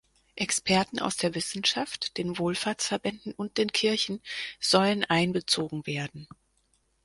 Experten aus der Wissenschaft, den Wohlfahrtsverbänden und den Kirchen sollen einbezogen werden.